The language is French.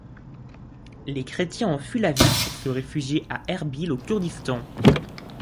Les chrétiens ont fui la ville pour se réfugier à Erbil au Kurdistan.